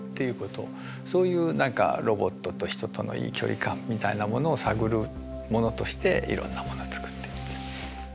そういう何かロボットと人とのいい距離感みたいなものを探るものとしていろんなモノ作ってるんです。